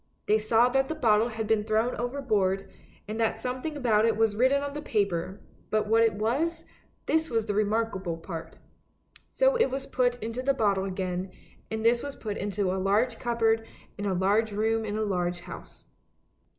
They saw that the bottle had been thrown overboard, and that something about it was written on the paper, but what it was, this was the remarkable part. So it was put into the bottle again, and this was put into a large cupboard in a large room in a large house.